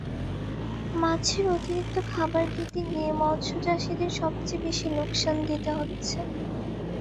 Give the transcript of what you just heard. মাছের অতিরিক্ত খাবার দিতে গিয়ে মৎস্যচাষিদের সবচেয়ে বেশি লোকসান দিতে হচ্ছে।